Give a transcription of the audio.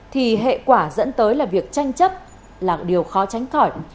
thì hệ quả dẫn tới là việc tranh chấp là một điều khó tránh khỏi